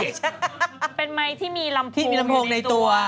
เป็นไม้ที่มีลำโพงในตัว